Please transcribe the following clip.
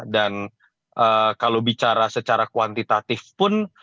dan kalau bicara secara kuantitatif pun